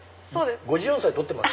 ５４歳撮ってます？